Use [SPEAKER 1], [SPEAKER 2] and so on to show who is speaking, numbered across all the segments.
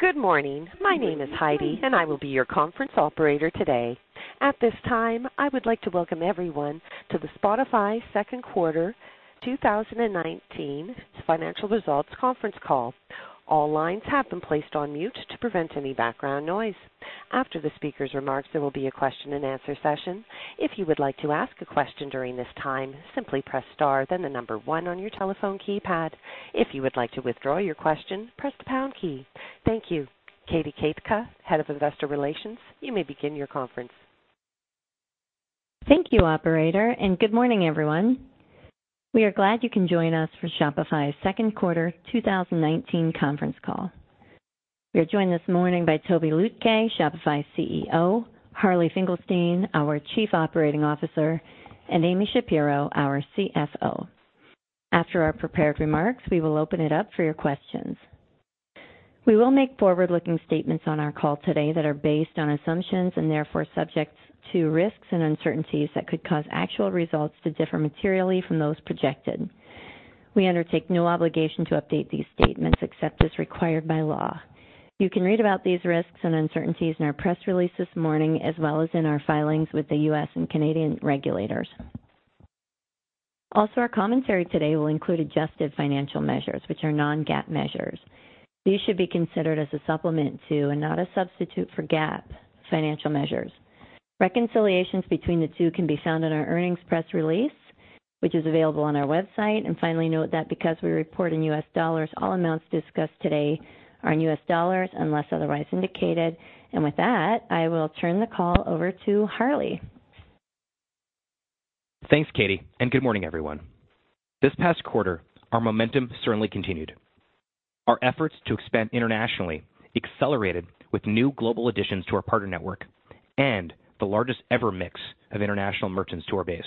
[SPEAKER 1] Good morning. My name is Heidi, and I will be your conference operator today. At this time, I would like to welcome everyone to the Shopify second quarter 2019 financial results conference call. All lines have been placed on mute to prevent any background noise. After the speaker's remarks, there will be a question-and-answer session. If you would like to ask a question during this time, simply press star then the number one on your telephone keypad. If you would like to withdraw your question, press the pound key. Thank you. Katie Keita, Head of Investor Relations, you may begin your conference.
[SPEAKER 2] Thank you, operator. Good morning, everyone. We are glad you can join us for Shopify's second quarter 2019 conference call. We are joined this morning by Tobi Lütke, Shopify's CEO, Harley Finkelstein, our Chief Operating Officer, and Amy Shapero, our CFO. After our prepared remarks, we will open it up for your questions. We will make forward-looking statements on our call today that are based on assumptions and therefore subject to risks and uncertainties that could cause actual results to differ materially from those projected. We undertake no obligation to update these statements except as required by law. You can read about these risks and uncertainties in our press release this morning, as well as in our filings with the U.S. and Canadian regulators. Our commentary today will include adjusted financial measures, which are non-GAAP measures. These should be considered as a supplement to and not a substitute for GAAP financial measures. Reconciliations between the two can be found in our earnings press release, which is available on our website. Finally, note that because we report in U.S. dollars, all amounts discussed today are in U.S. dollars unless otherwise indicated. With that, I will turn the call over to Harley.
[SPEAKER 3] Thanks, Katie, and good morning, everyone. This past quarter, our momentum certainly continued. Our efforts to expand internationally accelerated with new global additions to our partner network and the largest ever mix of international merchants to our base.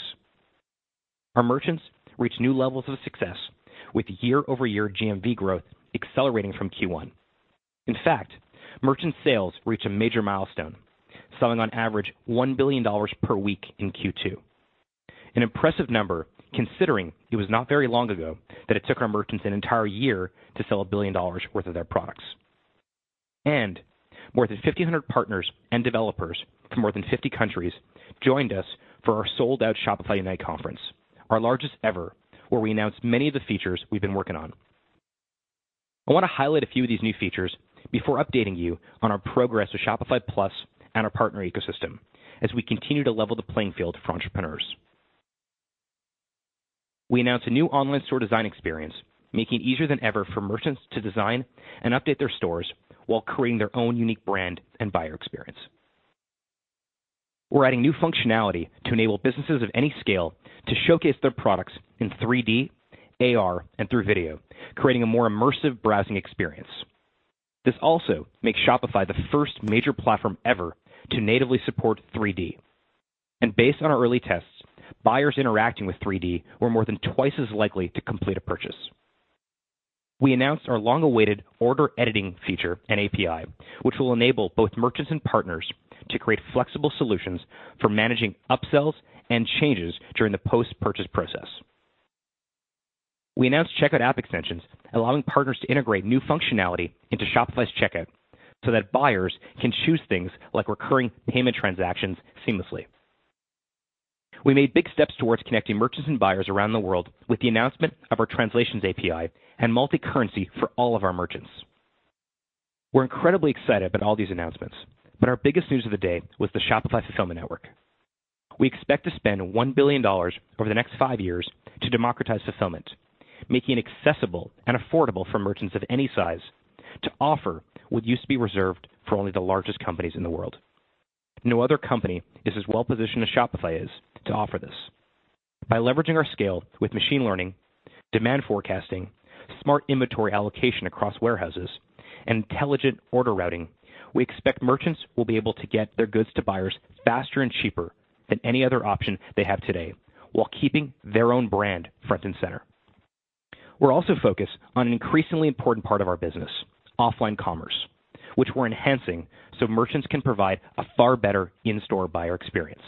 [SPEAKER 3] Our merchants reached new levels of success with year-over-year GMV growth accelerating from Q1. In fact, merchant sales reached a major milestone, selling on average $1 billion per week in Q2. An impressive number considering it was not very long ago that it took our merchants an entire year to sell $1 billion worth of their products. More than 1,500 partners and developers from more than 50 countries joined us for our sold-out Shopify Unite conference, our largest ever, where we announced many of the features we've been working on. I want to highlight a few of these new features before updating you on our progress with Shopify Plus and our partner ecosystem as we continue to level the playing field for entrepreneurs. We announced a new online store design experience, making it easier than ever for merchants to design and update their stores while creating their own unique brand and buyer experience. We're adding new functionality to enable businesses of any scale to showcase their products in 3D, AR, and through video, creating a more immersive browsing experience. This also makes Shopify the first major platform ever to natively support 3D. Based on our early tests, buyers interacting with 3D were more than 2x as likely to complete a purchase. We announced our long-awaited order editing feature and API, which will enable both merchants and partners to create flexible solutions for managing upsells and changes during the post-purchase process. We announced checkout app extensions, allowing partners to integrate new functionality into Shopify's checkout so that buyers can choose things like recurring payment transactions seamlessly. We made big steps towards connecting merchants and buyers around the world with the announcement of our translations API and multi-currency for all of our merchants. We're incredibly excited about all these announcements, but our biggest news of the day was the Shopify Fulfillment Network. We expect to spend $1 billion over the next five years to democratize fulfillment, making it accessible and affordable for merchants of any size to offer what used to be reserved for only the largest companies in the world. No other company is as well-positioned as Shopify is to offer this. By leveraging our scale with machine learning, demand forecasting, smart inventory allocation across warehouses, and intelligent order routing, we expect merchants will be able to get their goods to buyers faster and cheaper than any other option they have today while keeping their own brand front and center. We're also focused on an increasingly important part of our business, offline commerce, which we're enhancing so merchants can provide a far better in-store buyer experience.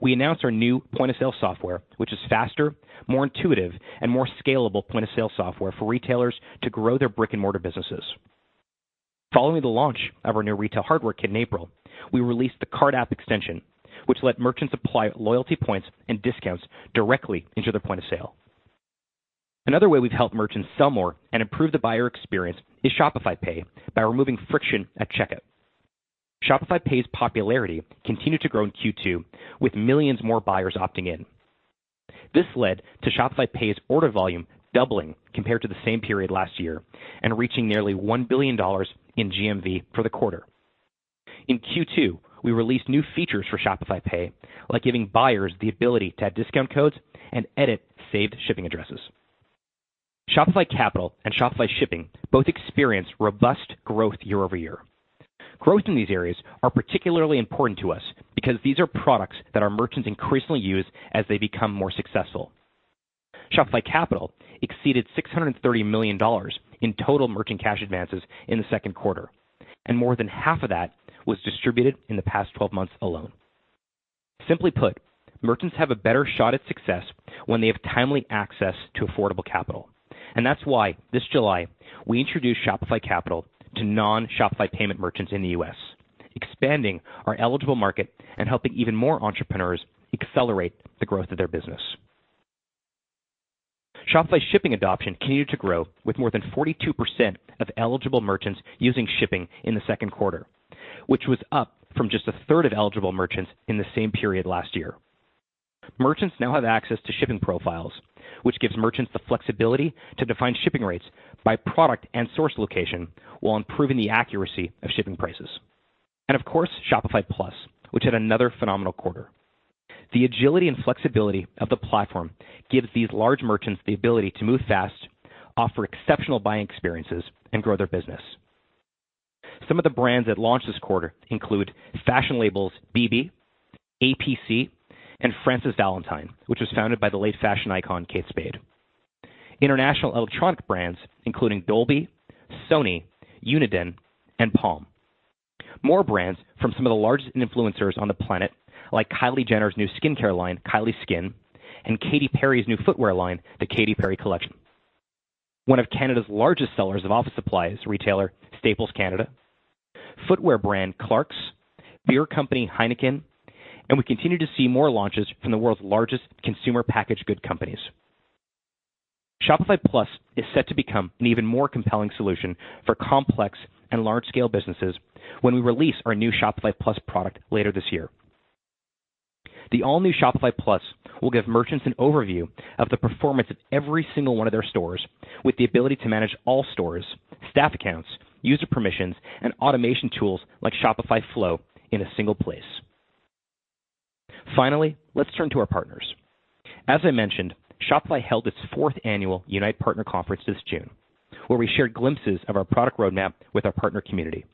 [SPEAKER 3] We announced our new point-of-sale software, which is faster, more intuitive, and more scalable point-of-sale software for retailers to grow their brick-and-mortar businesses. Following the launch of our new retail hardware kit in April, we released the cart app extension, which let merchants apply loyalty points and discounts directly into their point of sale. Another way we've helped merchants sell more and improve the buyer experience is Shopify Pay by removing friction at checkout. Shopify Pay's popularity continued to grow in Q2 with millions more buyers opting in. This led to Shopify Pay's order volume doubling compared to the same period last year and reaching nearly $1 billion in GMV for the quarter. In Q2, we released new features for Shopify Pay, like giving buyers the ability to add discount codes and edit saved shipping addresses. Shopify Capital and Shopify Shipping both experienced robust growth year-over-year. Growth in these areas are particularly important to us because these are products that our merchants increasingly use as they become more successful. Shopify Capital exceeded $630 million in total merchant cash advances in the second quarter, and more than half of that was distributed in the past 12 months alone. Simply put, merchants have a better shot at success when they have timely access to affordable capital. That's why this July, we introduced Shopify Capital to non-Shopify Payments merchants in the U.S., expanding our eligible market and helping even more entrepreneurs accelerate the growth of their business. Shopify Shipping adoption continued to grow with more than 42% of eligible merchants using shipping in the second quarter, which was up from just a third of eligible merchants in the same period last year. Merchants now have access to shipping profiles, which gives merchants the flexibility to define shipping rates by product and source location while improving the accuracy of shipping prices. Of course, Shopify Plus, which had another phenomenal quarter. The agility and flexibility of the platform gives these large merchants the ability to move fast, offer exceptional buying experiences, and grow their business. Some of the brands that launched this quarter include fashion labels bebe, A.P.C., and Frances Valentine, which was founded by the late fashion icon Kate Spade. International electronic brands including Dolby, Sony, Uniden, and Palm. More brands from some of the largest influencers on the planet, like Kylie Jenner's new skincare line, Kylie Skin, and Katy Perry's new footwear line, The Katy Perry Collection. One of Canada's largest sellers of office supplies, retailer Staples Canada, footwear brand Clarks, beer company Heineken, and we continue to see more launches from the world's largest consumer packaged good companies. Shopify Plus is set to become an even more compelling solution for complex and large-scale businesses when we release our new Shopify Plus product later this year. The all-new Shopify Plus will give merchants an overview of the performance of every single one of their stores with the ability to manage all stores, staff accounts, user permissions, and automation tools like Shopify Flow in a single place. Finally, let's turn to our partners. As I mentioned, Shopify held its fourth annual Unite Partner Conference this June, where we shared glimpses of our product roadmap with our partner community.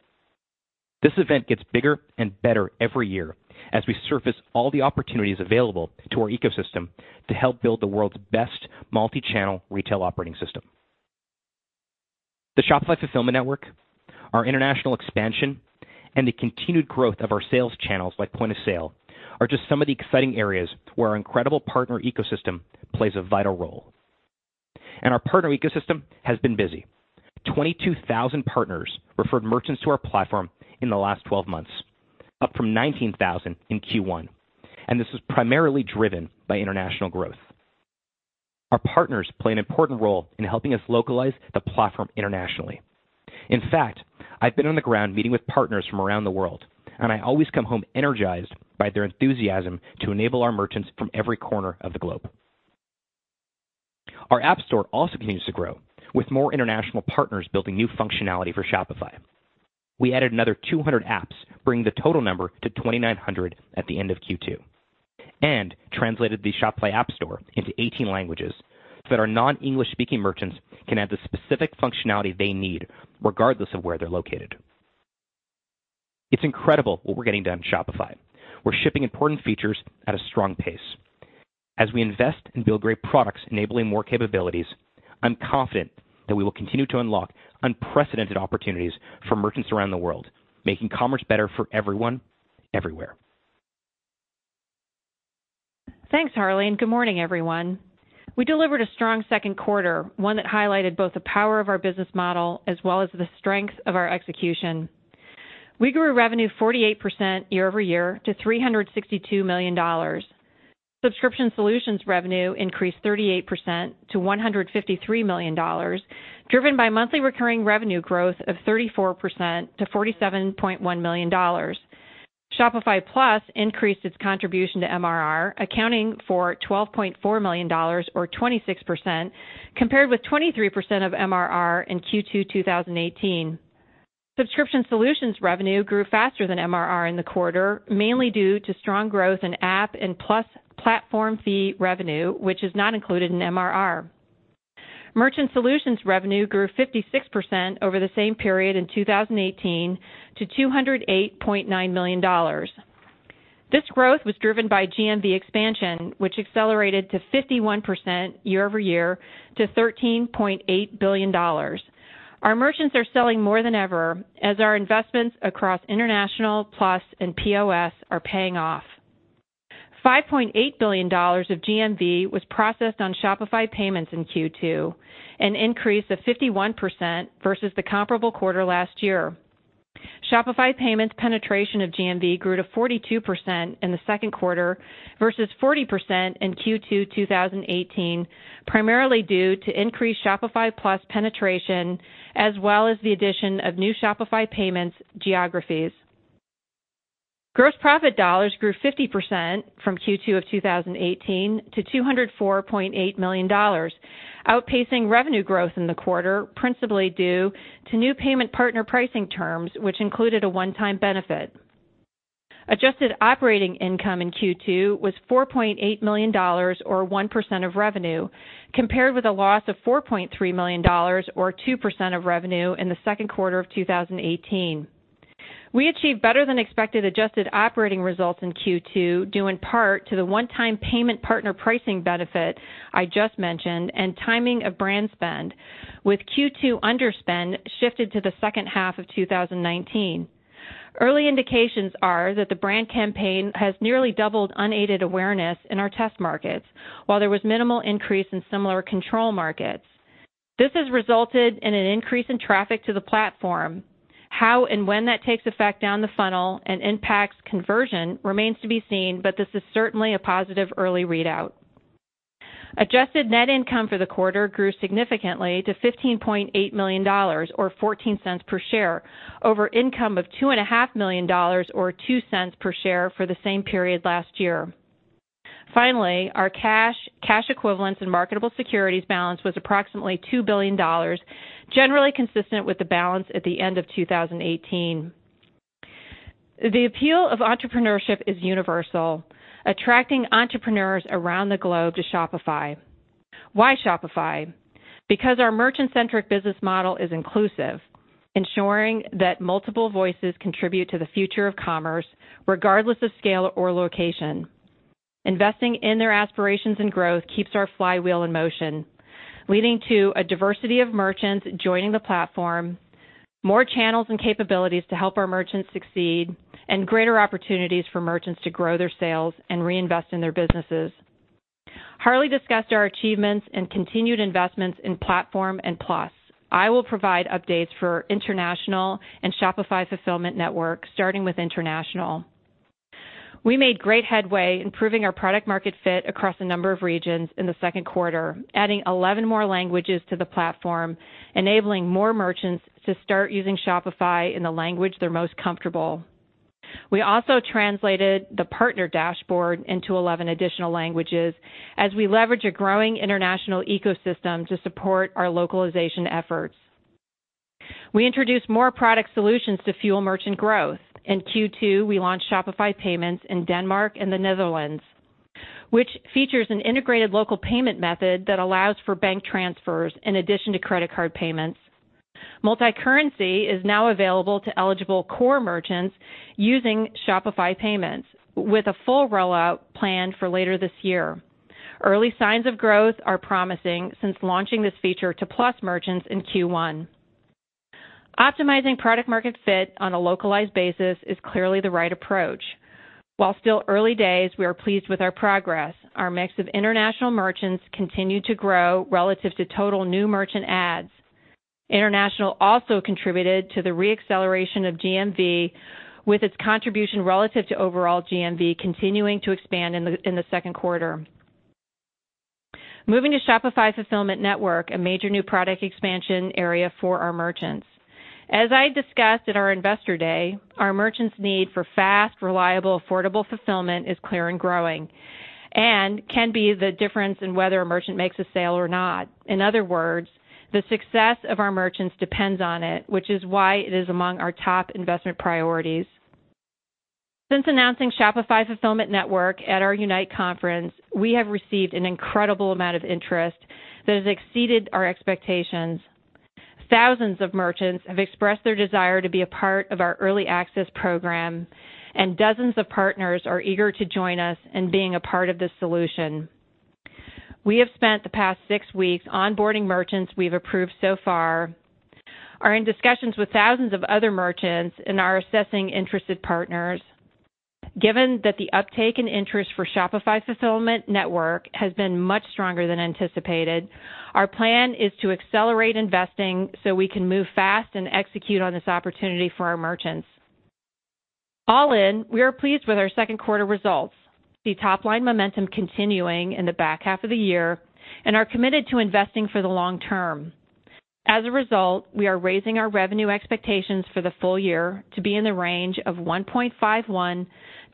[SPEAKER 3] This event gets bigger and better every year as we surface all the opportunities available to our ecosystem to help build the world's best multi-channel retail operating system. The Shopify Fulfillment Network, our international expansion, and the continued growth of our sales channels like Point of Sale are just some of the exciting areas where our incredible partner ecosystem plays a vital role. Our partner ecosystem has been busy. 22,000 partners referred merchants to our platform in the last 12 months, up from 19,000 in Q1. This was primarily driven by international growth. Our partners play an important role in helping us localize the platform internationally. In fact, I've been on the ground meeting with partners from around the world. I always come home energized by their enthusiasm to enable our merchants from every corner of the globe. Our App Store also continues to grow with more international partners building new functionality for Shopify. We added another 200 apps, bringing the total number to 2,900 at the end of Q2, and translated the Shopify App Store into 18 languages so that our non-English-speaking merchants can add the specific functionality they need regardless of where they're located. It's incredible what we're getting done at Shopify. We're shipping important features at a strong pace. As we invest and build great products enabling more capabilities, I'm confident that we will continue to unlock unprecedented opportunities for merchants around the world, making commerce better for everyone, everywhere.
[SPEAKER 4] Thanks, Harley, and good morning, everyone. We delivered a strong second quarter, one that highlighted both the power of our business model as well as the strength of our execution. We grew revenue 48% year-over-year to $362 million. Subscription Solutions revenue increased 38% to $153 million, driven by monthly recurring revenue growth of 34% to $47.1 million. Shopify Plus increased its contribution to MRR, accounting for $12.4 million or 26%, compared with 23% of MRR in Q2 2018. Subscription Solutions revenue grew faster than MRR in the quarter, mainly due to strong growth in app and Shopify Plus platform fee revenue, which is not included in MRR. Merchant Solutions revenue grew 56% over the same period in 2018 to $208.9 million. This growth was driven by GMV expansion, which accelerated to 51% year-over-year to $13.8 billion. Our merchants are selling more than ever as our investments across international, Shopify Plus, and POS are paying off. $5.8 billion of GMV was processed on Shopify Payments in Q2, an increase of 51% versus the comparable quarter last year. Shopify Payments penetration of GMV grew to 42% in the second quarter versus 40% in Q2 2018, primarily due to increased Shopify Plus penetration as well as the addition of new Shopify Payments geographies. Gross profit dollars grew 50% from Q2 of 2018 to $204.8 million, outpacing revenue growth in the quarter principally due to new payment partner pricing terms, which included a one-time benefit. Adjusted operating income in Q2 was $4.8 million or 1% of revenue, compared with a loss of $4.3 million or 2% of revenue in the second quarter of 2018. We achieved better than expected adjusted operating results in Q2 due in part to the one-time payment partner pricing benefit I just mentioned and timing of brand spend with Q2 underspend shifted to the second half of 2019. Early indications are that the brand campaign has nearly doubled unaided awareness in our test markets, while there was minimal increase in similar control markets. This has resulted in an increase in traffic to the platform. How and when that takes effect down the funnel and impacts conversion remains to be seen. This is certainly a positive early readout. Adjusted net income for the quarter grew significantly to $15.8 million or $0.14 per share over income of $2.5 million or $0.02 per share for the same period last year. Our cash equivalents and marketable securities balance was approximately $2 billion, generally consistent with the balance at the end of 2018. The appeal of entrepreneurship is universal, attracting entrepreneurs around the globe to Shopify. Why Shopify? Our merchant-centric business model is inclusive, ensuring that multiple voices contribute to the future of commerce regardless of scale or location. Investing in their aspirations and growth keeps our flywheel in motion, leading to a diversity of merchants joining the platform, more channels and capabilities to help our merchants succeed, and greater opportunities for merchants to grow their sales and reinvest in their businesses. Harley discussed our achievements and continued investments in Platform and Shopify Plus. I will provide updates for international and Shopify Fulfillment Network, starting with international. We made great headway improving our product market fit across a number of regions in the second quarter, adding 11 more languages to the platform, enabling more merchants to start using Shopify in the language they're most comfortable. We also translated the partner dashboard into 11 additional languages as we leverage a growing international ecosystem to support our localization efforts. We introduced more product solutions to fuel merchant growth. In Q2, we launched Shopify Payments in Denmark and the Netherlands, which features an integrated local payment method that allows for bank transfers in addition to credit card payments. Multicurrency is now available to eligible core merchants using Shopify Payments, with a full rollout planned for later this year. Early signs of growth are promising since launching this feature to Shopify Plus merchants in Q1. Optimizing product market fit on a localized basis is clearly the right approach. While still early days, we are pleased with our progress. Our mix of international merchants continue to grow relative to total new merchant adds. International also contributed to the re-acceleration of GMV, with its contribution relative to overall GMV continuing to expand in the second quarter. Moving to Shopify Fulfillment Network, a major new product expansion area for our merchants. As I discussed at our Investor Day, our merchants' need for fast, reliable, affordable fulfillment is clear and growing and can be the difference in whether a merchant makes a sale or not. In other words, the success of our merchants depends on it, which is why it is among our top investment priorities. Since announcing Shopify Fulfillment Network at our Unite conference, we have received an incredible amount of interest that has exceeded our expectations. Thousands of merchants have expressed their desire to be a part of our early access program, and dozens of partners are eager to join us in being a part of this solution. We have spent the past six weeks onboarding merchants we've approved so far, are in discussions with thousands of other merchants, and are assessing interested partners. Given that the uptake and interest for Shopify Fulfillment Network has been much stronger than anticipated, our plan is to accelerate investing so we can move fast and execute on this opportunity for our merchants. All in, we are pleased with our second quarter results. We see top-line momentum continuing in the back half of the year and are committed to investing for the long term. As a result, we are raising our revenue expectations for the full year to be in the range of $1.51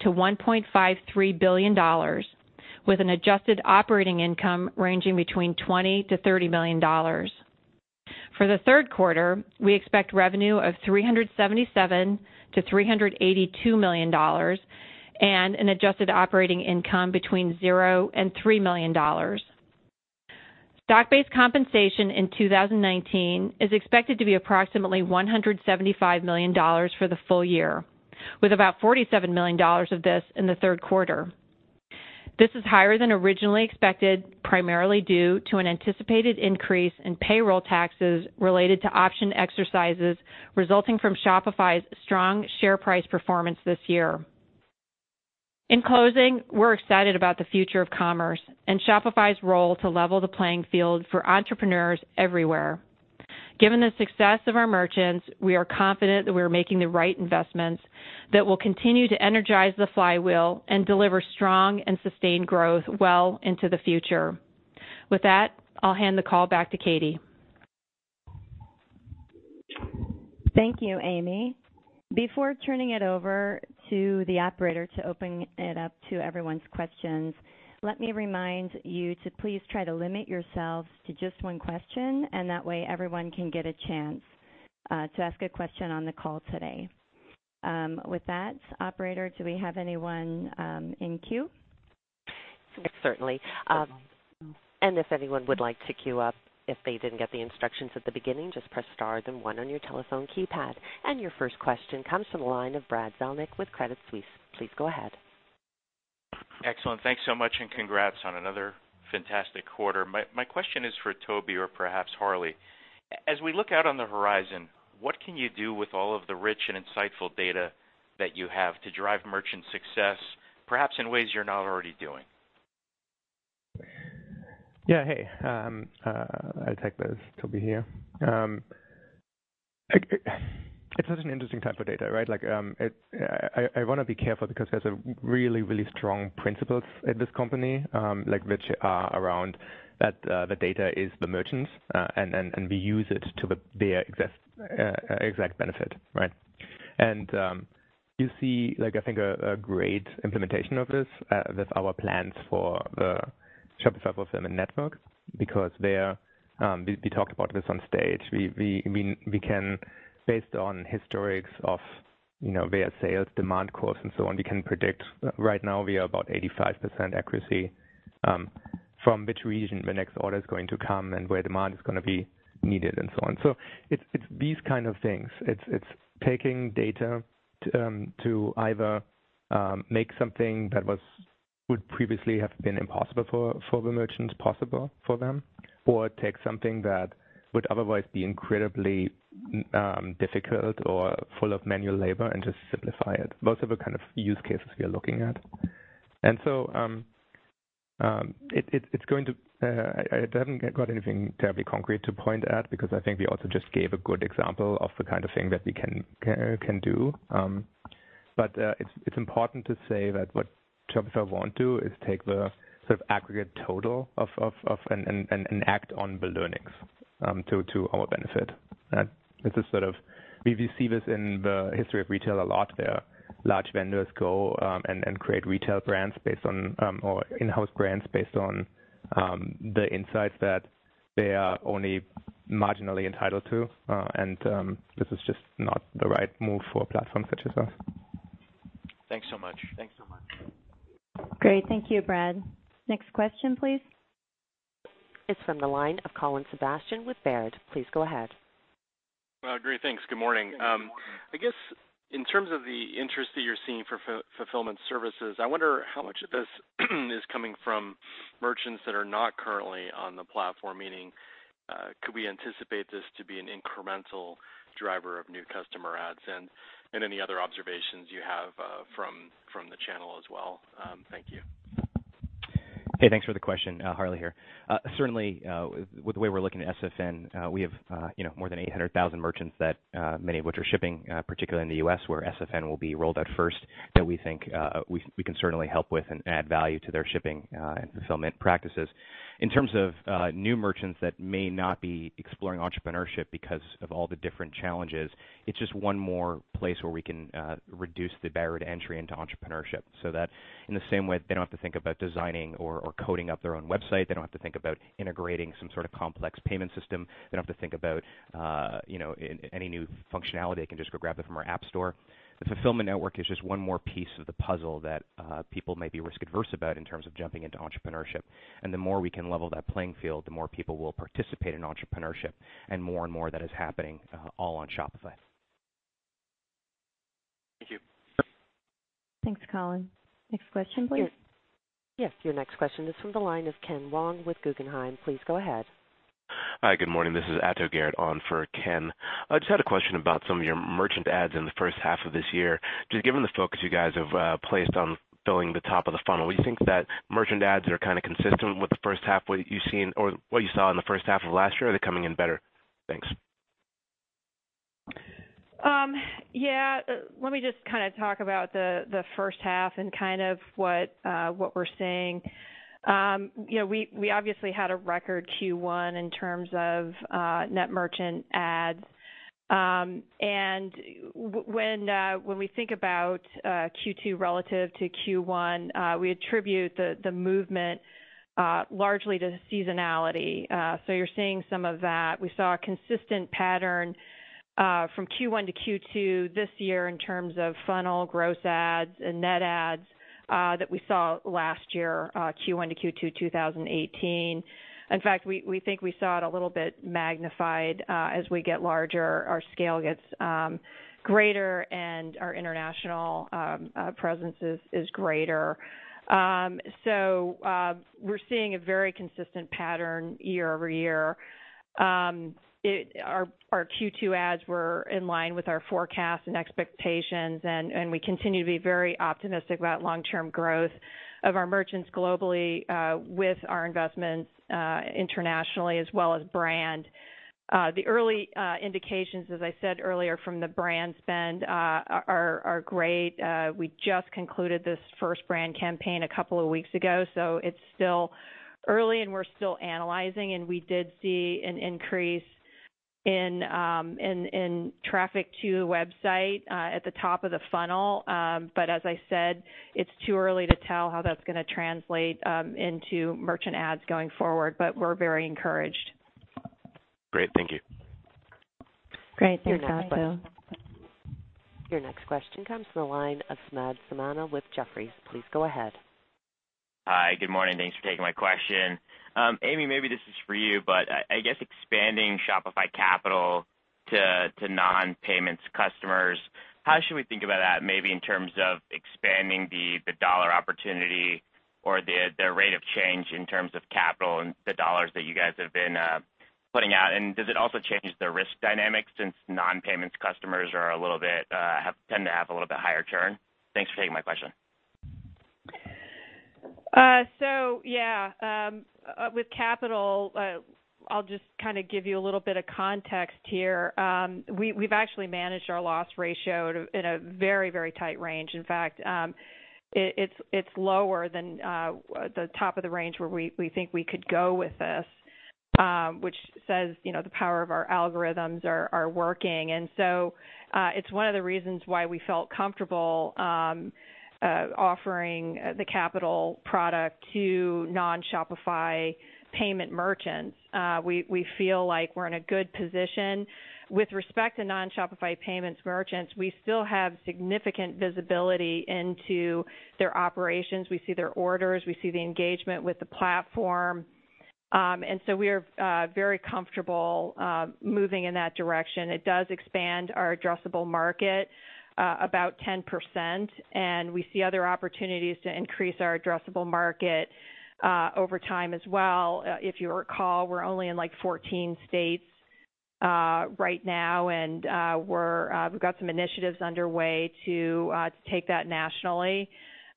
[SPEAKER 4] billion-$1.53 billion, with an adjusted operating income ranging between $20 million-$30 million. For the third quarter, we expect revenue of $377 million-$382 million and an adjusted operating income between $0 and $3 million. Stock-based compensation in 2019 is expected to be approximately $175 million for the full year, with about $47 million of this in the third quarter. This is higher than originally expected, primarily due to an anticipated increase in payroll taxes related to option exercises resulting from Shopify's strong share price performance this year. In closing, we're excited about the future of commerce and Shopify's role to level the playing field for entrepreneurs everywhere. Given the success of our merchants, we are confident that we are making the right investments that will continue to energize the flywheel and deliver strong and sustained growth well into the future. With that, I'll hand the call back to Katie.
[SPEAKER 2] Thank you, Amy. Before turning it over to the operator to open it up to everyone's questions, let me remind you to please try to limit yourselves to just one question, and that way everyone can get a chance to ask a question on the call today. With that, operator, do we have anyone in queue?
[SPEAKER 1] Certainly. If anyone would like to queue up, if they didn't get the instructions at the beginning, just press star then one on your telephone keypad. Your first question comes from the line of Brad Zelnick with Credit Suisse. Please go ahead.
[SPEAKER 5] Excellent. Thanks so much, and congrats on another fantastic quarter. My question is for Tobi or perhaps Harley. As we look out on the horizon, what can you do with all of the rich and insightful data that you have to drive merchant success, perhaps in ways you're not already doing?
[SPEAKER 6] Hey, I'll take this. Tobi here. It's such an interesting type of data, right? Like, I want to be careful because there's a really, really strong principles at this company, like which are around that, the data is the merchants, and we use it to their exact benefit, right? You see like I think a great implementation of this with our plans for the Shopify Fulfillment Network because they're, we talked about this on stage. We can based on historics of, you know, their sales, demand course and so on, we can predict. Right now, we are about 85% accuracy from which region the next order's going to come and where demand is gonna be needed and so on. It's these kind of things. It's taking data to either make something that was, would previously have been impossible for the merchants possible for them or take something that would otherwise be incredibly difficult or full of manual labor and just simplify it. Those are the kind of use cases we are looking at. It's going to I haven't got anything terribly concrete to point at because I think we also just gave a good example of the kind of thing that we can do. It's important to say that what Shopify won't do is take the sort of aggregate total of and act on the learnings to our benefit. It's a sort of we've seen this in the history of retail a lot, where large vendors go, and create retail brands based on, or in-house brands based on, the insights that they are only marginally entitled to, and this is just not the right move for a platform such as us.
[SPEAKER 5] Thanks so much.
[SPEAKER 2] Great. Thank you, Brad. Next question, please.
[SPEAKER 1] It's from the line of Colin Sebastian with Baird. Please go ahead.
[SPEAKER 7] Well, great. Thanks. Good morning. I guess in terms of the interest that you're seeing for fulfillment services, I wonder how much of this is coming from merchants that are not currently on the platform, meaning, could we anticipate this to be an incremental driver of new customer adds and any other observations you have from the channel as well? Thank you.
[SPEAKER 3] Hey, thanks for the question. Harley here. Certainly, with the way we're looking at SFN, we have, you know, more than 800,000 merchants that many of which are shipping, particularly in the U.S. where SFN will be rolled out first, that we think we can certainly help with and add value to their shipping and fulfillment practices. In terms of new merchants that may not be exploring entrepreneurship because of all the different challenges, it's just one more place where we can reduce the barrier to entry into entrepreneurship, so that in the same way they don't have to think about designing or coding up their own website. They don't have to think about integrating some sort of complex payment system. They don't have to think about, you know, any new functionality. They can just go grab it from our App Store. The Fulfillment Network is just one more piece of the puzzle that people may be risk-averse about in terms of jumping into entrepreneurship. The more we can level that playing field, the more people will participate in entrepreneurship and more and more that is happening all on Shopify.
[SPEAKER 7] Thank you.
[SPEAKER 2] Thanks, Colin. Next question, please.
[SPEAKER 1] Yes. Your next question is from the line of Ken Wong with Guggenheim. Please go ahead.
[SPEAKER 8] Hi, good morning. This is Ato Garrett on for Ken. I just had a question about some of your merchant adds in the first half of this year. Given the focus you guys have placed on filling the top of the funnel, do you think that merchant adds are kind of consistent with the first half, what you've seen or what you saw in the first half of last year? Are they coming in better? Thanks.
[SPEAKER 4] Yeah. Let me just kinda talk about the first half and kind of what we're seeing. You know, we obviously had a record Q1 in terms of net merchant adds. When we think about Q2 relative to Q1, we attribute the movement largely to seasonality. You're seeing some of that. We saw a consistent pattern from Q1 to Q2 this year in terms of funnel gross adds and net adds that we saw last year, Q1 to Q2, 2018. In fact, we think we saw it a little bit magnified. As we get larger, our scale gets greater and our international presence is greater. We're seeing a very consistent pattern year-over-year. Our Q2 adds were in line with our forecast and expectations, and we continue to be very optimistic about long-term growth of our merchants globally, with our investments internationally as well as brand. The early indications, as I said earlier from the brand spend, are great. We just concluded this first brand campaign a couple of weeks ago, so it's still early, and we're still analyzing, and we did see an increase in traffic to website at the top of the funnel. But as I said, it's too early to tell how that's gonna translate into merchant adds going forward, but we're very encouraged.
[SPEAKER 8] Great. Thank you.
[SPEAKER 2] Great. Thanks, Ato.
[SPEAKER 1] Your next question comes from the line of Samad Samana with Jefferies. Please go ahead.
[SPEAKER 9] Hi, good morning. Thanks for taking my question. Amy, maybe this is for you, but I guess expanding Shopify Capital to non-payments customers, how should we think about that maybe in terms of expanding the dollar opportunity or the rate of change in terms of capital and the dollars that you guys have been putting out? Does it also change the risk dynamics since non-payments customers are a little bit tend to have a little bit higher churn? Thanks for taking my question.
[SPEAKER 4] Yeah. With capital, I'll just kinda give you a little bit of context here. We've actually managed our loss ratio in a very, very tight range. In fact, it's lower than the top of the range where we think we could go with this, which says, you know, the power of our algorithms are working. It's one of the reasons why we felt comfortable offering the capital product to non-Shopify Payments merchants. We feel like we're in a good position. With respect to non-Shopify Payments merchants, we still have significant visibility into their operations. We see their orders, we see the engagement with the platform. We are very comfortable moving in that direction. It does expand our addressable market, about 10%, and we see other opportunities to increase our addressable market over time as well. If you recall, we're only in like 14 states right now, we've got some initiatives underway to take that nationally.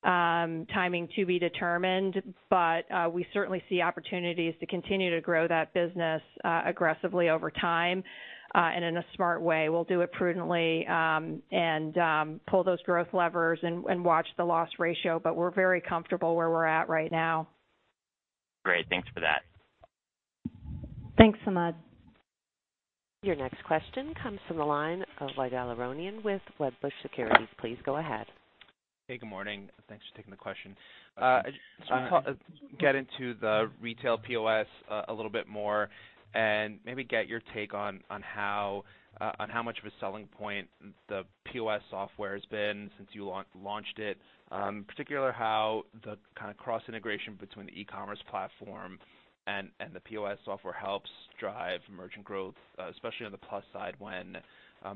[SPEAKER 4] Timing to be determined, but we certainly see opportunities to continue to grow that business aggressively over time and in a smart way. We'll do it prudently, pull those growth levers and watch the loss ratio, but we're very comfortable where we're at right now.
[SPEAKER 9] Great. Thanks for that.
[SPEAKER 2] Thanks, Samad.
[SPEAKER 1] Your next question comes from the line of Ygal Arounian with Wedbush Securities. Please go ahead.
[SPEAKER 10] Hey, good morning. Thanks for taking the question. I just wanna talk, get into the retail POS a little bit more and maybe get your take on how much of a selling point the POS software has been since you launched it. Particular how the kind of cross-integration between the e-commerce platform and the POS software helps drive merchant growth, especially on the Shopify Plus side when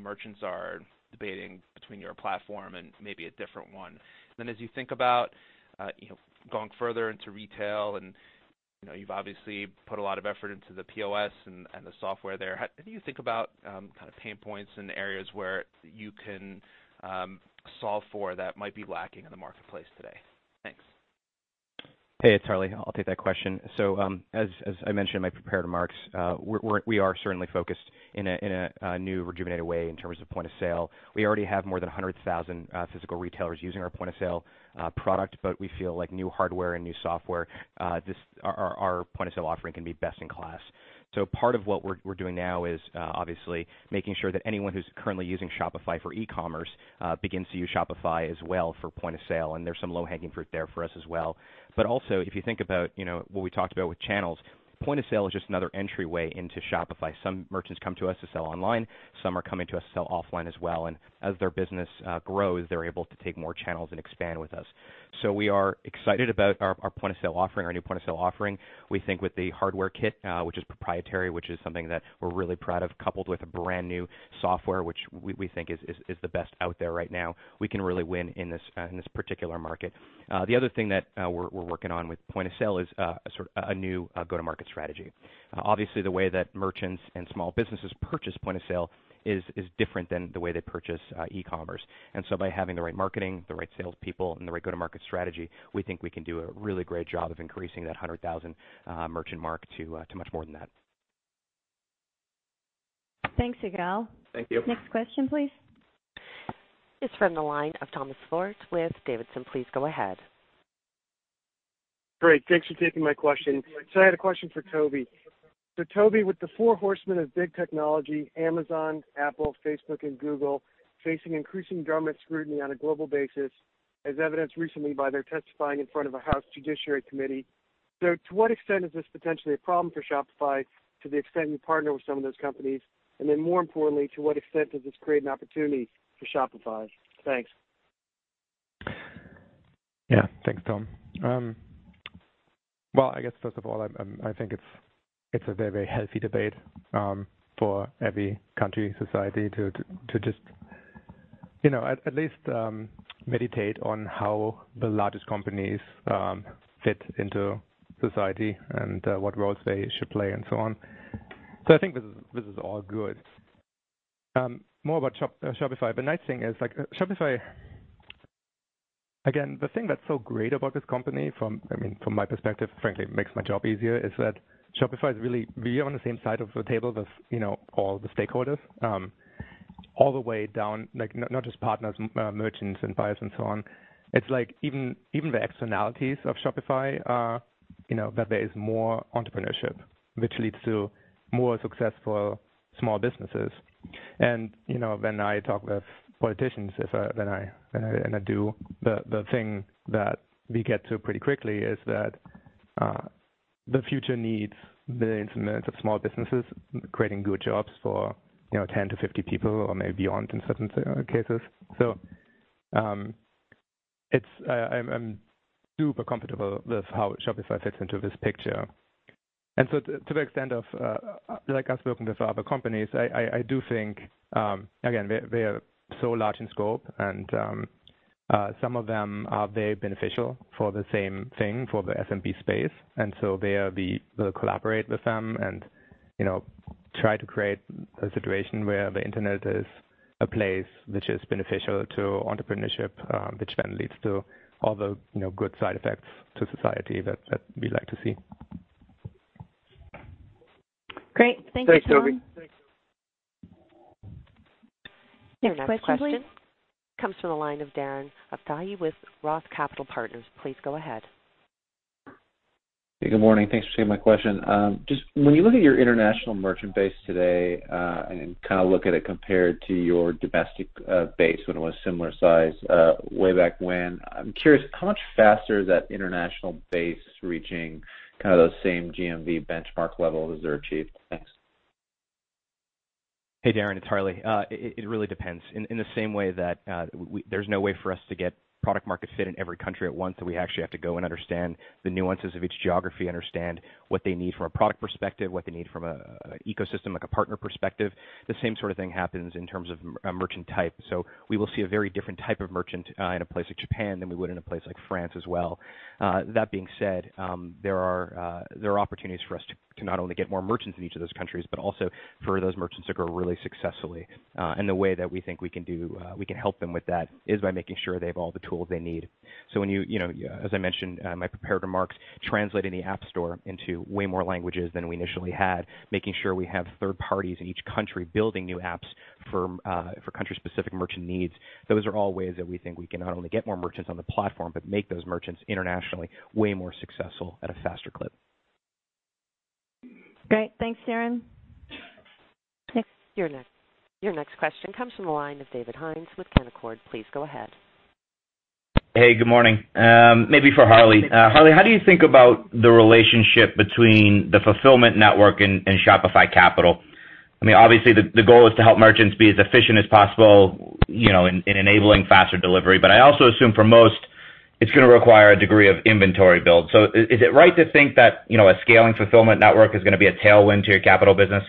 [SPEAKER 10] merchants are debating between your platform and maybe a different one. As you think about, you know, going further into retail and, you know, you've obviously put a lot of effort into the POS and the software there. How do you think about kind of pain points in the areas where you can solve for that might be lacking in the marketplace today? Thanks.
[SPEAKER 3] Hey, it's Harley. I'll take that question. As I mentioned in my prepared remarks, we are certainly focused in a new rejuvenated way in terms of point of sale. We already have more than 100,000 physical retailers using our point-of-sale product. We feel like new hardware and new software, our point of sale offering can be best in class. Part of what we're doing now is obviously making sure that anyone who's currently using Shopify for e-commerce begins to use Shopify as well for point-of-sale. There's some low-hanging fruit there for us as well. Also, if you think about, you know, what we talked about with channels, point of sale is just another entryway into Shopify. Some merchants come to us to sell online, some are coming to us to sell offline as well. As their business grows, they're able to take more channels and expand with us. We are excited about our point of sale offering, our new point of sale offering. We think with the hardware kit, which is proprietary, which is something that we're really proud of, coupled with a brand-new software, which we think is the best out there right now. We can really win in this in this particular market. The other thing that we're working on with point of sale is a sort of a new go-to-market strategy. Obviously the way that merchants and small businesses purchase point of sale is different than the way they purchase e-commerce. By having the right marketing, the right salespeople, and the right go-to-market strategy, we think we can do a really great job of increasing that 100,000 merchant mark to much more than that.
[SPEAKER 2] Thanks, Ygal.
[SPEAKER 10] Thank you.
[SPEAKER 2] Next question, please.
[SPEAKER 1] It's from the line of Thomas Forte with D.A. Davidson. Please go ahead.
[SPEAKER 11] Great. Thanks for taking my question. I had a question for Tobi. Tobi, with the four horsemen of big technology, Amazon, Apple, Facebook, and Google, facing increasing government scrutiny on a global basis, as evidenced recently by their testifying in front of a House Judiciary Committee. To what extent is this potentially a problem for Shopify to the extent you partner with some of those companies? More importantly, to what extent does this create an opportunity for Shopify? Thanks.
[SPEAKER 6] Thanks, Tom. Well, I guess first of all, I think it's a very, very healthy debate for every country, society to just, you know, at least meditate on how the largest companies fit into society and what roles they should play and so on. I think this is all good. More about Shopify. The nice thing is, like, Shopify. Again, the thing that's so great about this company from, I mean, from my perspective, frankly, it makes my job easier, is that Shopify is really, we are on the same side of the table with, you know, all the stakeholders, all the way down, like, not just partners, merchants and buyers and so on. It's like even the externalities of Shopify are, you know, that there is more entrepreneurship, which leads to more successful small businesses. You know, when I talk with politicians, if when I do, the thing that we get to pretty quickly is that the future needs billions and millions of small businesses creating good jobs for, you know, 10 to 50 people or maybe beyond in certain cases. It's, I'm super comfortable with how Shopify fits into this picture. To the extent of like us working with other companies, I do think again, they're so large in scope and some of them are very beneficial for the same thing for the SMB space. We'll collaborate with them and, you know, try to create a situation where the Internet is a place which is beneficial to entrepreneurship, which then leads to all the, you know, good side effects to society that we like to see.
[SPEAKER 2] Great. Thank you, Tom.
[SPEAKER 11] Thanks, Tobi.
[SPEAKER 2] Next question, please.
[SPEAKER 1] Your next question comes from the line of Darren Aftahi with Roth Capital Partners. Please go ahead.
[SPEAKER 12] Hey, good morning. Thanks for taking my question. Just when you look at your international merchant base today, and kind of look at it compared to your domestic base when it was similar size, way back when, I'm curious how much faster is that international base reaching kind of those same GMV benchmark levels as they're achieved? Thanks.
[SPEAKER 3] Hey, Darren, it's Harley. It really depends. In the same way that there's no way for us to get product market fit in every country at once. We actually have to go and understand the nuances of each geography, understand what they need from a product perspective, what they need from a ecosystem like a partner perspective. The same sort of thing happens in terms of merchant type. We will see a very different type of merchant in a place like Japan than we would in a place like France as well. That being said, there are opportunities for us to not only get more merchants in each of those countries, but also for those merchants to grow really successfully. The way that we think we can do, we can help them with that is by making sure they have all the tools they need. When you know, as I mentioned, my prepared remarks, translating the App Store into way more languages than we initially had, making sure we have third parties in each country building new apps for country-specific merchant needs. Those are all ways that we think we can not only get more merchants on the platform, but make those merchants internationally way more successful at a faster clip.
[SPEAKER 2] Great. Thanks, Darren. Next.
[SPEAKER 1] Your next question comes from the line of David Hynes with Canaccord. Please go ahead.
[SPEAKER 13] Hey, good morning. Maybe for Harley. Harley, how do you think about the relationship between the Shopify Fulfillment Network and Shopify Capital? I mean, obviously the goal is to help merchants be as efficient as possible, you know, in enabling faster delivery. I also assume for most, it's gonna require a degree of inventory build. Is it right to think that, you know, a scaling Shopify Fulfillment Network is gonna be a tailwind to your capital business?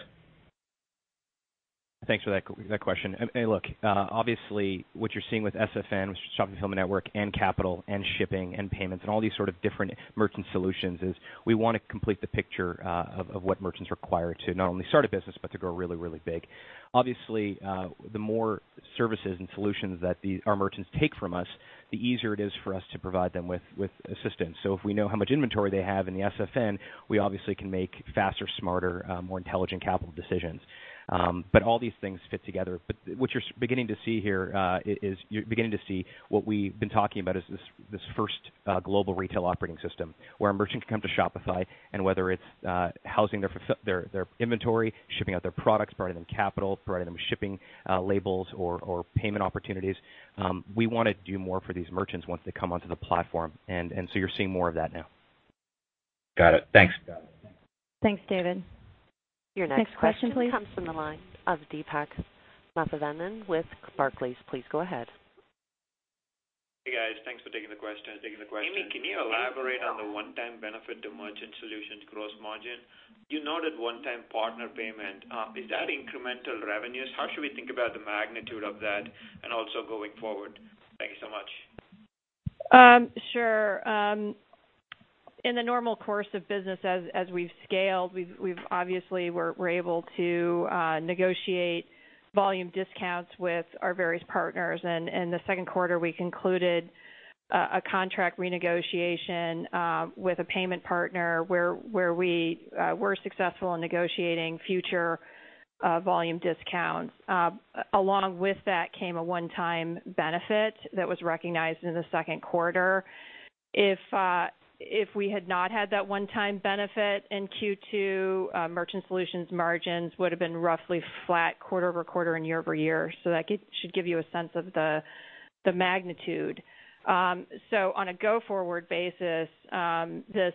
[SPEAKER 3] Thanks for that question. Hey, look, obviously what you're seeing with SFN, which is Shopify Fulfillment Network, and Shopify Capital and Shopify Shipping and Shopify Payments and all these sort of different merchant solutions, is we wanna complete the picture of what merchants require to not only start a business, but to grow really, really big. Obviously, the more services and solutions that our merchants take from us, the easier it is for us to provide them with assistance. If we know how much inventory they have in the SFN, we obviously can make faster, smarter, more intelligent Shopify Capital decisions. All these things fit together. What you're beginning to see here is you're beginning to see what we've been talking about is this first global retail operating system where a merchant can come to Shopify, whether it's housing their inventory, shipping out their products, providing them capital, providing them shipping labels or payment opportunities. We wanna do more for these merchants once they come onto the platform. You're seeing more of that now.
[SPEAKER 13] Got it. Thanks.
[SPEAKER 2] Thanks, David.
[SPEAKER 1] Your next question comes from the line of Deepak Mathivanan with Barclays. Please go ahead.
[SPEAKER 14] Hey, guys. Thanks for taking the question. Amy, can you elaborate on the one-time benefit to Merchant Solutions gross margin? You noted one-time partner payment. Is that incremental revenues? How should we think about the magnitude of that and also going forward? Thank you so much.
[SPEAKER 4] Sure. In the normal course of business as we've scaled, we've obviously we're able to negotiate volume discounts with our various partners. In the second quarter, we concluded a contract renegotiation with a payment partner where we were successful in negotiating future volume discounts. Along with that came a one-time benefit that was recognized in the second quarter. If we had not had that one-time benefit in Q2, Merchant Solutions margins would've been roughly flat quarter-over-quarter and year-over-year. That should give you a sense of the magnitude. On a go-forward basis, this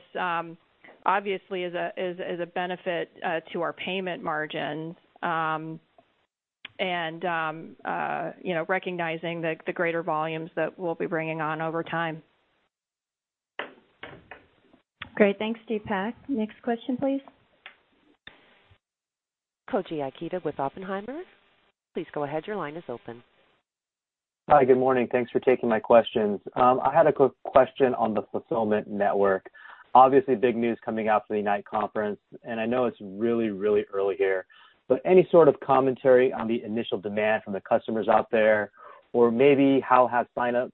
[SPEAKER 4] obviously is a benefit to our payment margin, and, you know, recognizing the greater volumes that we'll be bringing on over time.
[SPEAKER 2] Great. Thanks, Deepak. Next question, please.
[SPEAKER 1] Koji Ikeda with Oppenheimer. Please go ahead, your line is open.
[SPEAKER 15] Hi, good morning. Thanks for taking my questions. I had a quick question on the Shopify Fulfillment Network. Obviously, big news coming out from the Unite conference, and I know it's really, really early here. Any sort of commentary on the initial demand from the customers out there or maybe how has sign up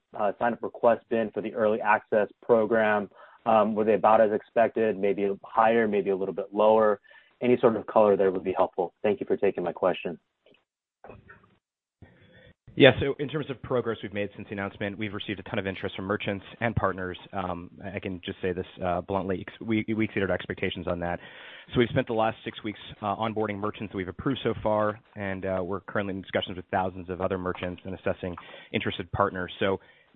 [SPEAKER 15] requests been for the early access program? Were they about as expected, maybe higher, maybe a little bit lower? Any sort of color there would be helpful. Thank you for taking my question.
[SPEAKER 3] Yeah. In terms of progress we've made since the announcement, we've received a ton of interest from merchants and partners. I can just say this bluntly. We exceeded our expectations on that. We've spent the last six weeks onboarding merchants we've approved so far, and we're currently in discussions with thousands of other merchants and assessing interested partners.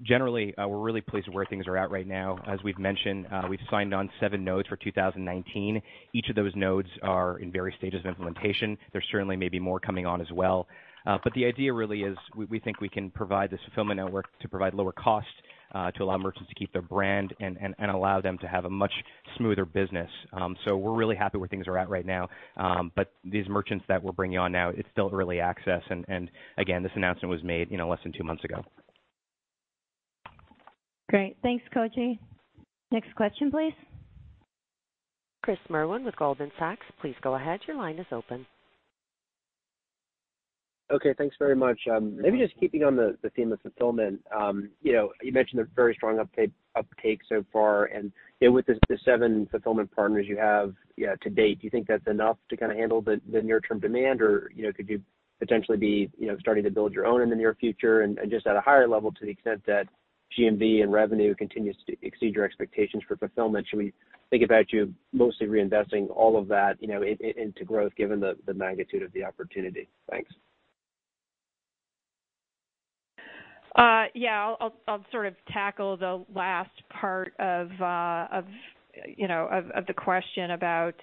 [SPEAKER 3] Generally, we're really pleased with where things are at right now. As we've mentioned, we've signed on seven nodes for 2019. Each of those nodes are in various stages of implementation. There certainly may be more coming on as well. The idea really is we think we can provide this Shopify Fulfillment Network to provide lower cost, to allow merchants to keep their brand and allow them to have a much smoother business. We're really happy where things are at right now. These merchants that we're bringing on now, it's still early access and again, this announcement was made, you know, less than two months ago.
[SPEAKER 2] Great. Thanks, Koji. Next question, please.
[SPEAKER 1] Chris Merwin with Goldman Sachs, please go ahead. Your line is open.
[SPEAKER 16] Okay, thanks very much. Maybe just keeping on the theme of fulfillment. You know, you mentioned a very strong uptake so far and, you know, with the seven fulfillment partners you have, yeah, to date, do you think that's enough to kinda handle the near-term demand? Or, you know, could you potentially be, you know, starting to build your own in the near future? Just at a higher level to the extent that GMV and revenue continues to exceed your expectations for fulfillment, should we think about you mostly reinvesting all of that, you know, into growth given the magnitude of the opportunity? Thanks.
[SPEAKER 4] Yeah, I'll sort of tackle the last part of, you know, the question about.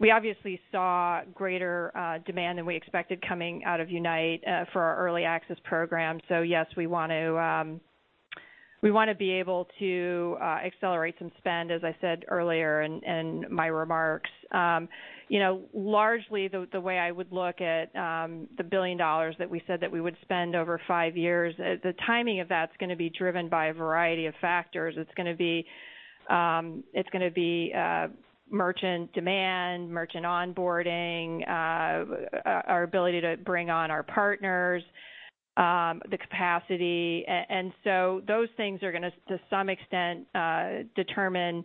[SPEAKER 4] We obviously saw greater demand than we expected coming out of Unite for our early access program. Yes, we want to, we wanna be able to accelerate some spend, as I said earlier in my remarks. You know, largely the way I would look at the $1 billion that we said that we would spend over five years, the timing of that's gonna be driven by a variety of factors. It's gonna be merchant demand, merchant onboarding, our ability to bring on our partners, the capacity. Those things are gonna, to some extent, determine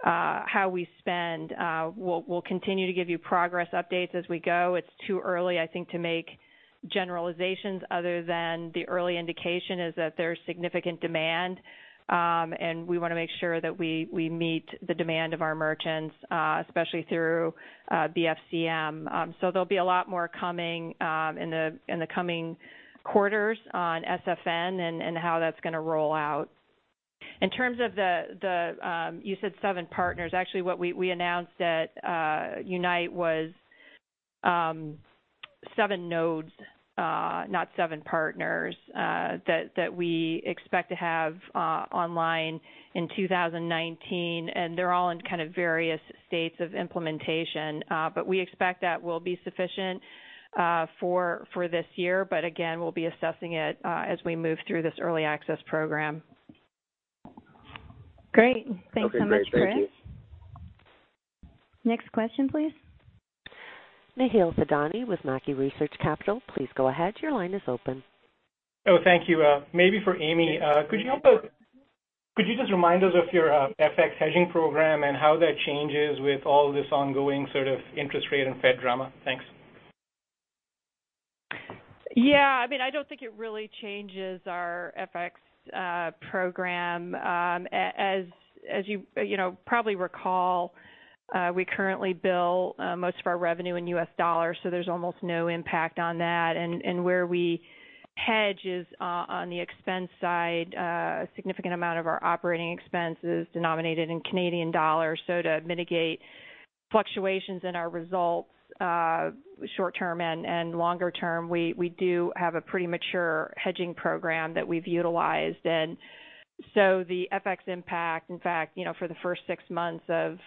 [SPEAKER 4] how we spend. We'll continue to give you progress updates as we go. It's too early, I think, to make generalizations other than the early indication is that there's significant demand, and we wanna make sure that we meet the demand of our merchants, especially through BFCM. There'll be a lot more coming in the coming quarters on SFN and how that's gonna roll out. In terms of the, you said seven partners. Actually, what we announced at Unite was seven nodes, not seven partners, that we expect to have online in 2019, and they're all in kind of various states of implementation. We expect that will be sufficient for this year. Again, we'll be assessing it, as we move through this early access program.
[SPEAKER 2] Great. Thanks so much, Chris.
[SPEAKER 16] Okay, great. Thank you.
[SPEAKER 2] Next question, please.
[SPEAKER 1] Nikhil Thadani with Mackie Research Capital, please go ahead. Your line is open.
[SPEAKER 17] Oh, thank you. Maybe for Amy, could you just remind us of your FX hedging program and how that changes with all this ongoing sort of interest rate and Fed drama? Thanks.
[SPEAKER 4] Yeah. I mean, I don't think it really changes our FX program. As you know, probably recall, we currently bill most of our revenue in U.S. dollars, there's almost no impact on that. Where we hedge is on the expense side. A significant amount of our operating expense is denominated in Canadian dollars. To mitigate fluctuations in our results, short-term and longer term, we do have a pretty mature hedging program that we've utilized. The FX impact, in fact, you know, for the first six months of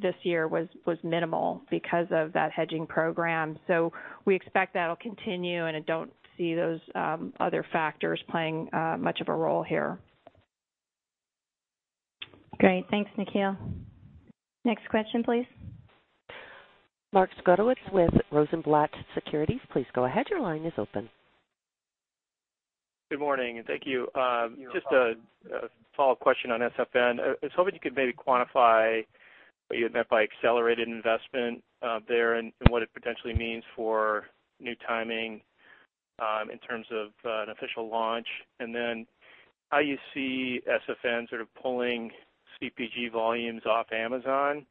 [SPEAKER 4] this year was minimal because of that hedging program. We expect that'll continue, and I don't see those other factors playing much of a role here.
[SPEAKER 2] Great. Thanks, Nikhil. Next question, please.
[SPEAKER 1] Mark Zgutowicz with Rosenblatt Securities, please go ahead. Your line is open.
[SPEAKER 18] Good morning, and thank you. Just a follow-up question on SFN. I was hoping you could maybe quantify what you meant by accelerated investment there and what it potentially means for new timing in terms of an official launch. Then how you see SFN sort of pulling CPG volumes off Amazon.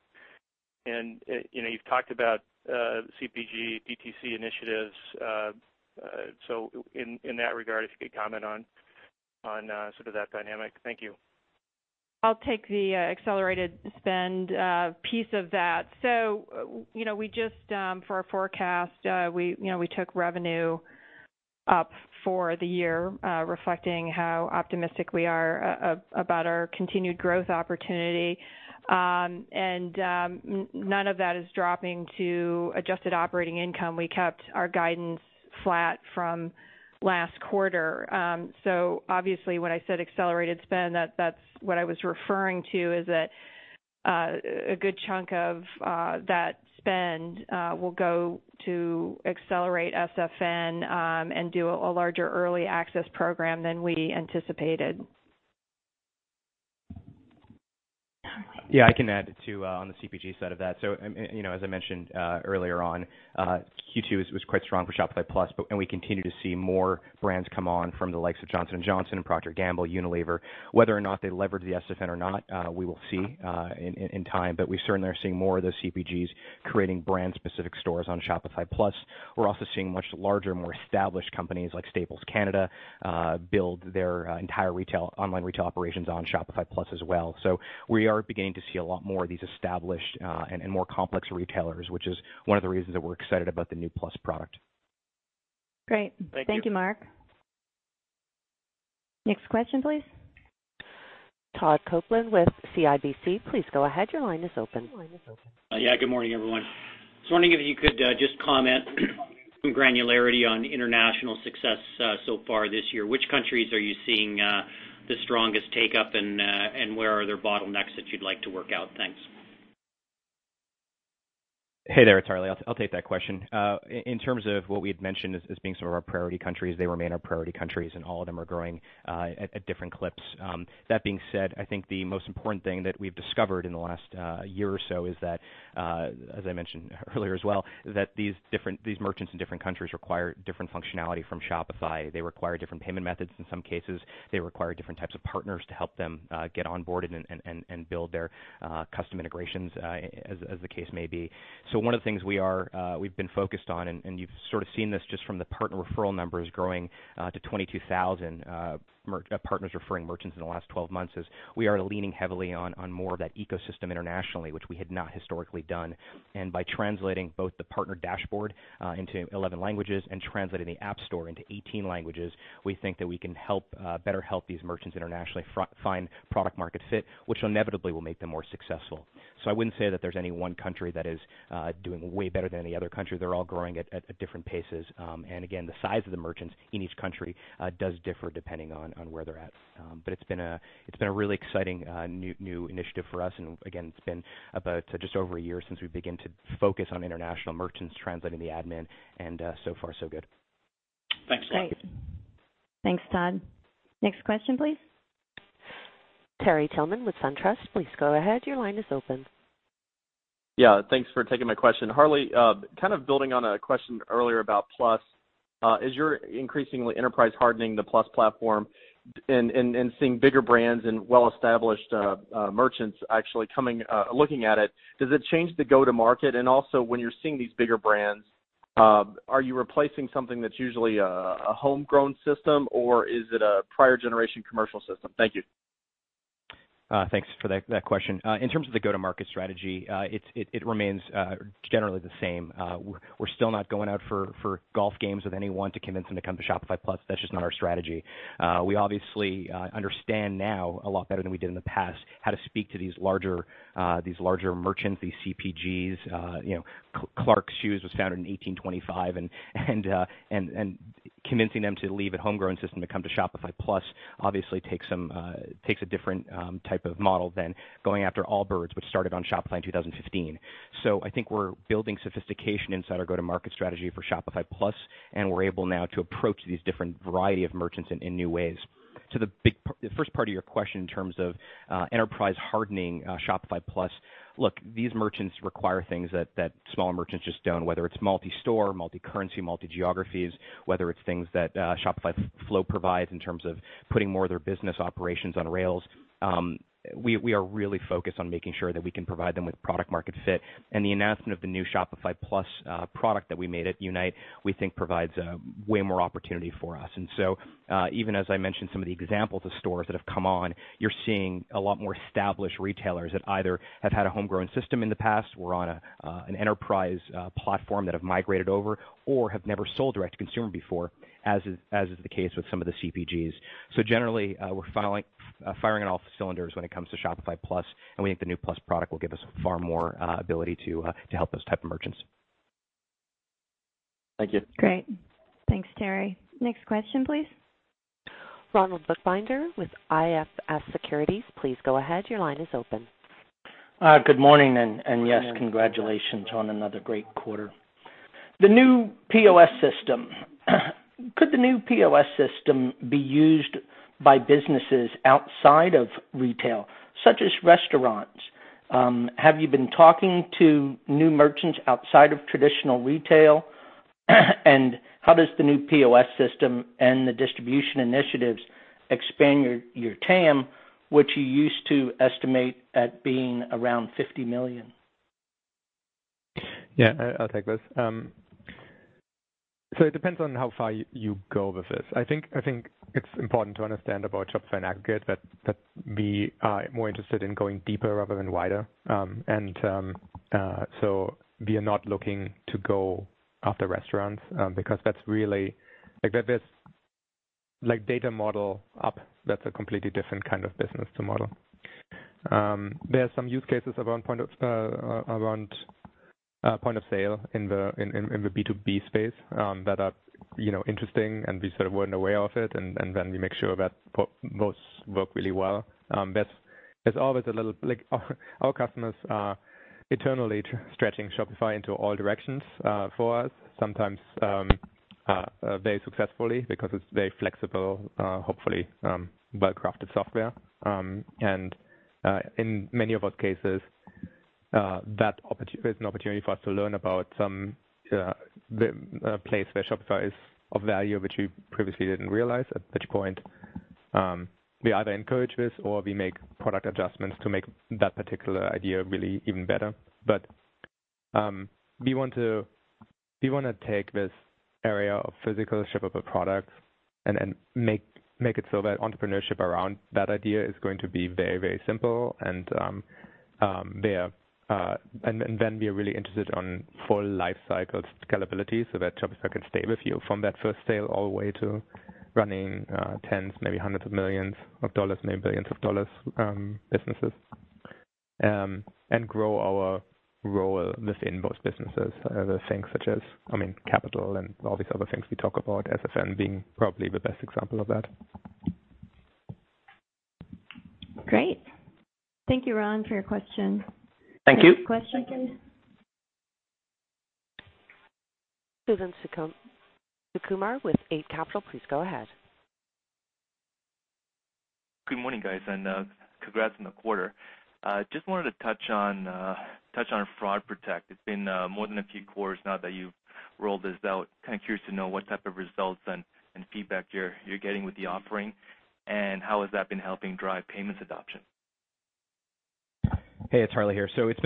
[SPEAKER 18] You know, you've talked about CPG, DTC initiatives, so in that regard, if you could comment on sort of that dynamic. Thank you.
[SPEAKER 4] I'll take the accelerated spend piece of that. You know, we just, for our forecast, we, you know, we took revenue up for the year, reflecting how optimistic we are about our continued growth opportunity. None of that is dropping to adjusted operating income. We kept our guidance flat from last quarter. Obviously, when I said accelerated spend, that's what I was referring to, is that a good chunk of that spend will go to accelerate SFN and do a larger early access program than we anticipated.
[SPEAKER 3] Yeah, I can add to on the CPG side of that. You know, as I mentioned earlier on, Q2 was quite strong for Shopify Plus. We continue to see more brands come on from the likes of Johnson & Johnson and Procter & Gamble, Unilever. Whether or not they leverage the SFN or not, we will see in time. We certainly are seeing more of those CPGs creating brand-specific stores on Shopify Plus. We're also seeing much larger, more established companies like Staples Canada build their entire retail, online retail operations on Shopify Plus as well. We are beginning to see a lot more of these established and more complex retailers, which is one of the reasons that we're excited about the new Shopify Plus product.
[SPEAKER 2] Great.
[SPEAKER 18] Thank you.
[SPEAKER 2] Thank you, Mark. Next question, please.
[SPEAKER 1] Todd Coupland with CIBC. Please go ahead, your line is open.
[SPEAKER 19] Good morning, everyone. Just wondering if you could just comment some granularity on international success so far this year. Which countries are you seeing the strongest take-up, and where are there bottlenecks that you'd like to work out? Thanks.
[SPEAKER 3] Hey there, it's Harley. I'll take that question. In terms of what we had mentioned as being some of our priority countries, they remain our priority countries, and all of them are growing at different clips. That being said, I think the most important thing that we've discovered in the last year or so is that, as I mentioned earlier as well, that these merchants in different countries require different functionality from Shopify. They require different payment methods in some cases. They require different types of partners to help them get onboarded and build their custom integrations as the case may be. One of the things we are, we've been focused on, and you've sort of seen this just from the partner referral numbers growing to 22,000 partners referring merchants in the last 12 months, is we are leaning heavily on more of that ecosystem internationally, which we had not historically done. By translating both the partner dashboard into 11 languages and translating the App Store into 18 languages, we think that we can help better help these merchants internationally find product market fit, which inevitably will make them more successful. I wouldn't say that there's any one country that is doing way better than any other country. They're all growing at different paces. Again, the size of the merchants in each country does differ depending on where they're at. It's been a really exciting new initiative for us. Again, it's been about just over a year since we began to focus on international merchants translating the admin. So far, so good.
[SPEAKER 19] Thanks, Harley.
[SPEAKER 2] Great. Thanks, Todd. Next question, please.
[SPEAKER 1] Terry Tillman with SunTrust. Please go ahead, your line is open.
[SPEAKER 20] Yeah, thanks for taking my question. Harley, kind of building on a question earlier about Shopify Plus, as you're increasingly enterprise hardening the Shopify Plus platform and seeing bigger brands and well-established merchants actually coming looking at it, does it change the go-to-market? Also, when you're seeing these bigger brands, are you replacing something that's usually a homegrown system, or is it a prior generation commercial system? Thank you.
[SPEAKER 3] Thanks for that question. In terms of the go-to-market strategy, it remains generally the same. We're still not going out for golf games with anyone to convince them to come to Shopify Plus. That's just not our strategy. We obviously understand now a lot better than we did in the past how to speak to these larger, these larger merchants, these CPGs. You know, Clarks Shoes was founded in 1825 and convincing them to leave a homegrown system to come to Shopify Plus obviously takes some takes a different type of model than going after Allbirds, which started on Shopify in 2015. I think we're building sophistication inside our go-to-market strategy for Shopify Plus, and we're able now to approach these different variety of merchants in new ways. To the first part of your question in terms of enterprise hardening, Shopify Plus, look, these merchants require things that small merchants just don't, whether it's multi-store, multi-currency, multi-geographies, whether it's things that Shopify Flow provides in terms of putting more of their business operations on rails. We are really focused on making sure that we can provide them with product market fit. The announcement of the new Shopify Plus product that we made at Unite, we think provides way more opportunity for us. Even as I mentioned some of the examples of stores that have come on, you're seeing a lot more established retailers that either have had a homegrown system in the past or on an enterprise platform that have migrated over or have never sold direct to consumer before, as is the case with some of the CPGs. Generally, we're firing on all cylinders when it comes to Shopify Plus, and we think the new Shopify Plus product will give us far more ability to help those type of merchants.
[SPEAKER 20] Thank you.
[SPEAKER 2] Great. Thanks, Terry. Next question, please.
[SPEAKER 1] Ronald Bookbinder with IFS Securities, please go ahead. Your line is open.
[SPEAKER 21] Good morning, and yes, congratulations on another great quarter. The new POS system. Could the new POS system be used by businesses outside of retail, such as restaurants? Have you been talking to new merchants outside of traditional retail? How does the new POS system and the distribution initiatives expand your TAM, which you used to estimate at being around $50 million?
[SPEAKER 6] Yeah, I'll take this. It depends on how far you go with this. I think it's important to understand about Shopify in aggregate that we are more interested in going deeper rather than wider. We are not looking to go after restaurants, because that's really like that's like data model up. That's a completely different kind of business to model. There are some use cases around point of around point of sale in the B2B space that are, you know, interesting, we sort of weren't aware of it. We make sure that those work really well. There's always a little like our customers are eternally stretching Shopify into all directions, for us, sometimes, very successfully because it's very flexible, hopefully, well-crafted software. In many of those cases, there's an opportunity for us to learn about some, the, place where Shopify is of value, which we previously didn't realize. At which point, we either encourage this or we make product adjustments to make that particular idea really even better. We wanna take this area of physical ship of a product and then make it so that entrepreneurship around that idea is going to be very, very simple and there. We are really interested on full life cycles scalability so that Shopify can stay with you from that first sale all the way to running, tens, maybe hundreds of millions of dollars, maybe billions of dollars, businesses. Grow our role within those businesses. Other things such as, capital and all these other things we talk about, SFN being probably the best example of that.
[SPEAKER 2] Great. Thank you, Ron, for your question.
[SPEAKER 21] Thank you.
[SPEAKER 2] Next question.
[SPEAKER 1] Suthan Sukumar with Eight Capital, please go ahead.
[SPEAKER 22] Good morning, guys, and congrats on the quarter. Just wanted to touch on Fraud Protect. It's been more than a few quarters now that you've rolled this out. Kinda curious to know what type of results and feedback you're getting with the offering, and how has that been helping drive payments adoption.
[SPEAKER 3] Hey, it's Harley here. It's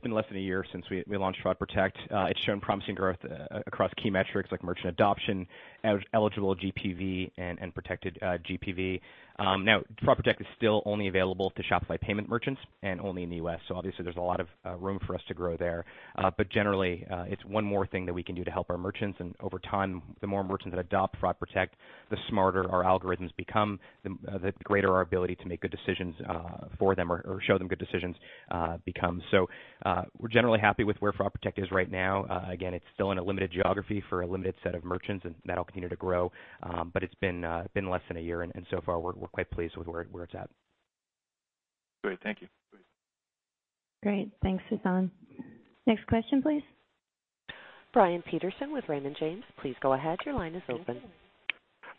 [SPEAKER 3] been less than a year since we launched Fraud Protect. It's shown promising growth across key metrics like merchant adoption, eligible GPV and protected GPV. Now Fraud Protect is still only available to Shopify Payments merchants and only in the U.S., obviously there's a lot of room for us to grow there. Generally, it's one more thing that we can do to help our merchants. Over time, the more merchants that adopt Fraud Protect, the smarter our algorithms become, the greater our ability to make good decisions for them or show them good decisions becomes. We're generally happy with where Fraud Protect is right now. Again, it's still in a limited geography for a limited set of merchants, and that'll continue to grow. It's been less than a year and so far we're quite pleased with where it's at.
[SPEAKER 22] Great. Thank you.
[SPEAKER 2] Great. Thanks, Suthan. Next question, please.
[SPEAKER 1] Brian Peterson with Raymond James. Please go ahead. Your line is open.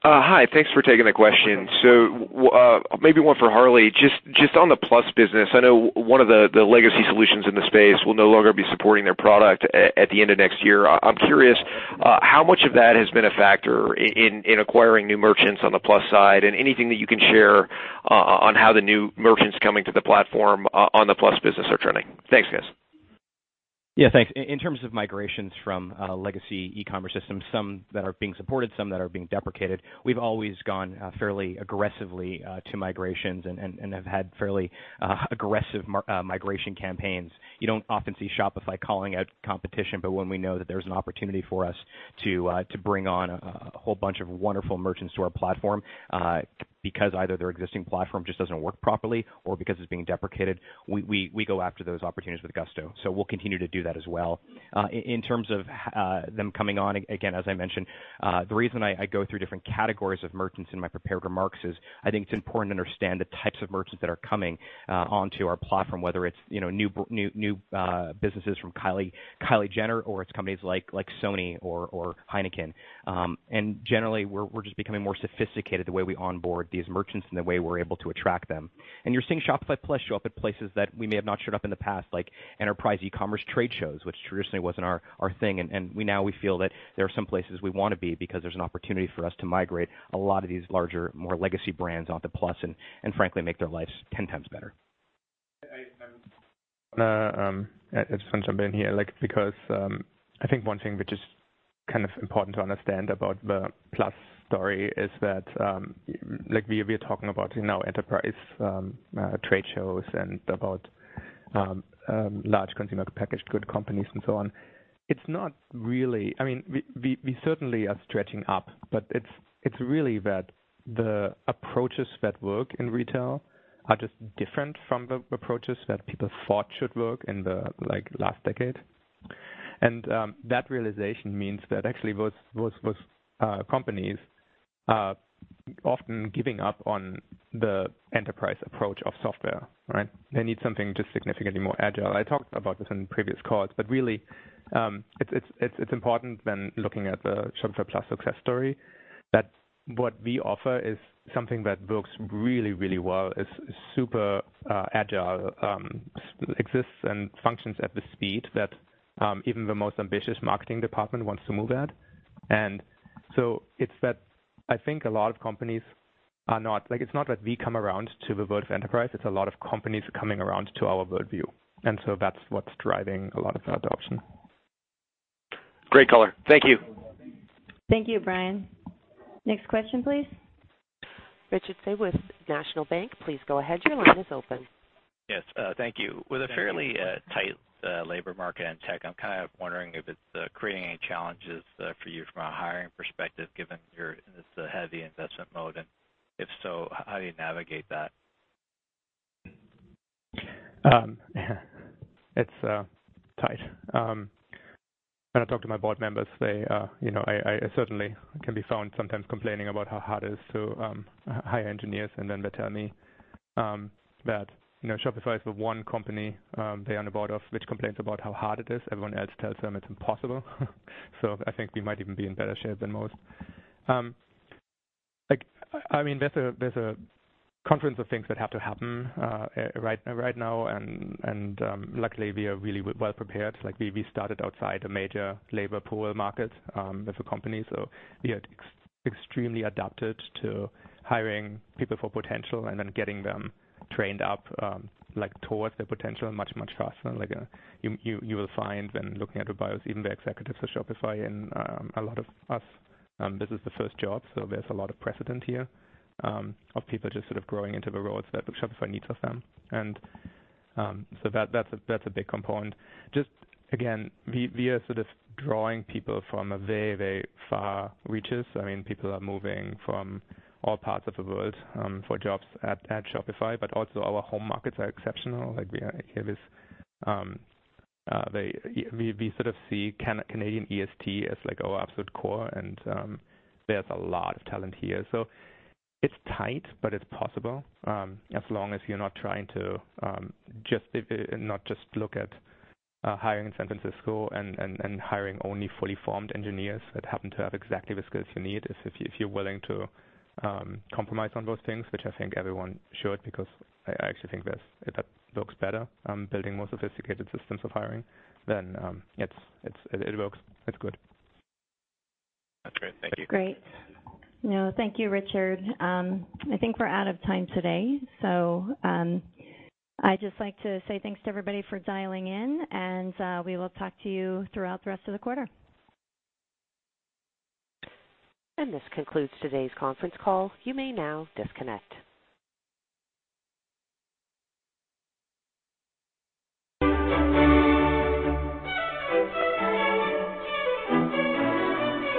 [SPEAKER 23] Hi. Thanks for taking the question. Maybe one for Harley. Just on the Shopify Plus business, I know one of the legacy solutions in the space will no longer be supporting their product at the end of next year. I'm curious how much of that has been a factor in acquiring new merchants on the Shopify Plus side, and anything that you can share on how the new merchants coming to the platform on the Shopify Plus business are trending. Thanks, guys.
[SPEAKER 3] Yeah, thanks. In terms of migrations from legacy e-commerce systems, some that are being supported, some that are being deprecated, we've always gone fairly aggressively to migrations and have had fairly aggressive migration campaigns. You don't often see Shopify calling out competition, but when we know that there's an opportunity for us to bring on a whole bunch of wonderful merchants to our platform, because either their existing platform just doesn't work properly or because it's being deprecated, we go after those opportunities with gusto. We'll continue to do that as well. In terms of them coming on, again, as I mentioned, the reason I go through different categories of merchants in my prepared remarks is I think it's important to understand the types of merchants that are coming onto our platform, whether it's, you know, new businesses from Kylie Jenner or it's companies like Sony or Heineken. Generally, we're just becoming more sophisticated the way we onboard these merchants and the way we're able to attract them. You're seeing Shopify Plus show up at places that we may have not showed up in the past, like enterprise, e-commerce trade shows, which traditionally wasn't our thing. We now feel that there are some places we wanna be because there's an opportunity for us to migrate a lot of these larger, more legacy brands onto Plus and frankly, make their lives 10x better.
[SPEAKER 6] I'll just jump in here, like because, I think one thing which is kind of important to understand about the Shopify Plus story is that, like we are talking about, you know, enterprise, trade shows and about large consumer packaged good companies and so on. It's not really I mean, we certainly are stretching up, but it's really that the approaches that work in retail are just different from the approaches that people thought should work in the, like, last decade. That realization means that actually those companies are often giving up on the enterprise approach of software, right? They need something just significantly more agile. I talked about this in previous calls, but really, it's important when looking at the Shopify Plus success story that what we offer is something that works really, really well. It's super agile, exists and functions at the speed that even the most ambitious marketing department wants to move at. It's that I think a lot of companies are not, it's not that we come around to the world of enterprise, it's a lot of companies coming around to our worldview. That's what's driving a lot of the adoption.
[SPEAKER 23] Great color. Thank you.
[SPEAKER 2] Thank you, Brian. Next question, please.
[SPEAKER 1] Richard Tse with National Bank, please go ahead. Your line is open.
[SPEAKER 24] Yes, thank you. With a fairly tight labor market in tech, I'm kind of wondering if it's creating any challenges for you from a hiring perspective, given your this heavy investment mode. If so, how do you navigate that?
[SPEAKER 6] It's tight. When I talk to my board members, they, you know I certainly can be found sometimes complaining about how hard it is to hire engineers. They tell me that, you know, Shopify is the one company they're on the board of which complains about how hard it is. Everyone else tells them it's impossible. I think we might even be in better shape than most. Like, I mean, there's a confluence of things that have to happen right now, luckily we are really well prepared. Like we started outside a major labor pool market as a company, so we are extremely adapted to hiring people for potential and then getting them trained up like towards their potential much faster. Like, you will find when looking at our bios even the executives for Shopify, a lot of us, this is the first job, so there's a lot of precedent here, of people just sort of growing into the roles that Shopify needs of them. So that's a, that's a big component. Just again, we are sort of drawing people from a very far reaches. I mean, people are moving from all parts of the world, for jobs at Shopify, but also our home markets are exceptional. Like it is, we sort of see Canadian EST as like our absolute core, and there's a lot of talent here. It's tight, but it's possible, as long as you're not trying to not just look at hiring in San Francisco and hiring only fully formed engineers that happen to have exactly the skills you need. If you're willing to compromise on those things, which I think everyone should, because I actually think that looks better, building more sophisticated systems of hiring than it works. It's good.
[SPEAKER 24] That's great. Thank you.
[SPEAKER 2] Great. No, thank you, Richard. I think we're out of time today. I'd just like to say thanks to everybody for dialing in and we will talk to you throughout the rest of the quarter.
[SPEAKER 1] This concludes today's conference call. You may now disconnect.